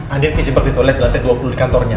andi kejebak di toilet di lantai dua puluh di kantornya